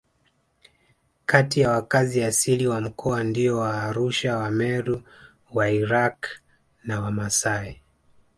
Kati ya wakazi asili wa mkoa ndio Waarusha Wameru Wairaqw na Wamasai